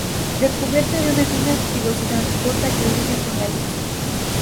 Recubierta de una fina pilosidad corta que brilla con la luz.